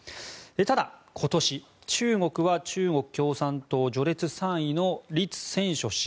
ただ今年、中国は中国共産党序列３位のリツ・センショ氏。